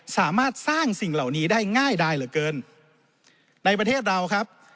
สามารถสร้างสิ่งเหล่านี้ได้ง่ายดายเหลือเกินในประเทศเราครับ